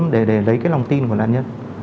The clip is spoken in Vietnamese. để lấy cái lòng tin của nạn nhân